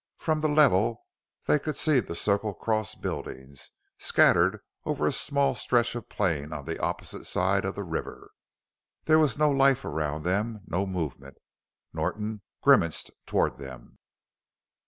From the level they could see the Circle Cross buildings, scattered over a small stretch of plain on the opposite side of the river. There was no life around them, no movement. Norton grimaced toward them.